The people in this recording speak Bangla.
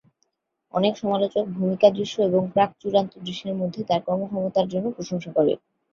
অনেক সমালোচক ভূমিকা দৃশ্য এবং প্রাক-চূড়ান্ত দৃশ্যের মধ্যে তার কর্মক্ষমতা জন্য প্রশংসা করে।